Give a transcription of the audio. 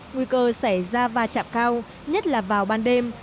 nguy cơ xảy ra va chạm cao nhất là vào ban đêm